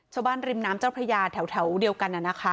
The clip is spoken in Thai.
ชาวบ้านริมน้ำเจ้าพระยาแถวเดียวกันน่ะนะคะ